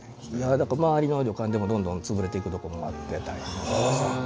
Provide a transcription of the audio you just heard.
だから周りの旅館でもどんどん潰れていくとこもあって大変やったですね。